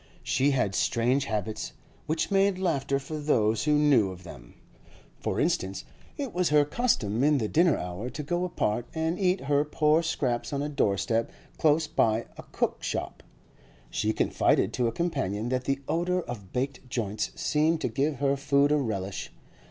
She had strange habits, which made laughter for those who knew of them; for instance, it was her custom in the dinner hour to go apart and eat her poor scraps on a doorstep close by a cook shop; she confided to a companion that the odour of baked joints seemed to give her food a relish.